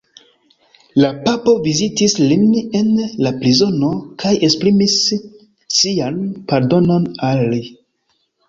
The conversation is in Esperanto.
La papo vizitis lin en la prizono kaj esprimis sian pardonon al li.